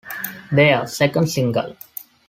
Their second single.